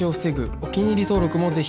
お気に入り登録もぜひ